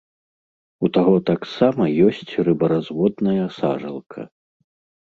У таго таксама ёсць рыбаразводная сажалка.